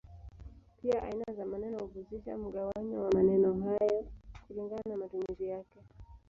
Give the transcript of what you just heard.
Pia aina za maneno huhusisha mgawanyo wa maneno hayo kulingana na matumizi yake.